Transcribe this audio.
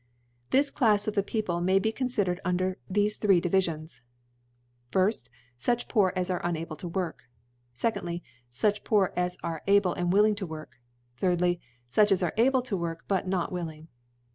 This Clafs of the People may be confidcr cd under thefc three Divifions : Firfty Such Poor as are unable to work, 2dly^ Such as are able and williDg to work. idly^ Such as are able to work, but not willing.